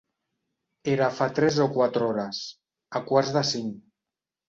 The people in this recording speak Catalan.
Era fa tres o quatre hores, a quarts de cinc.